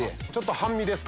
半身ですか？